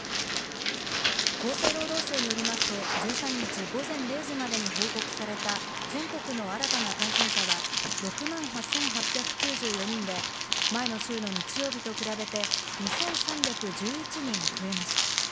厚生労働省によりますと、１３日午前０時までに報告された全国の新たな感染者は６万８８９４人で、前の週の日曜日と比べて２３１１人増えました。